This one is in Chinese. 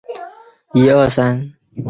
佐佐木本人得知后对事情十分迷惘。